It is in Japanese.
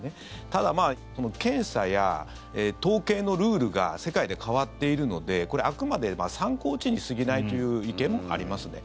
ただ、検査や統計のルールが世界で変わっているのでこれはあくまで参考値に過ぎないという意見もありますね。